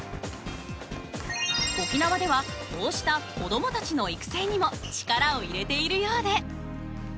沖縄ではこうした子どもたちの育成にも力を入れているようで。